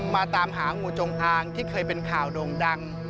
มาตามหางูจงอางที่เคยเป็นข่าวโด่งดัง